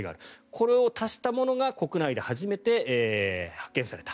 これを足したものが国内で初めて発見された。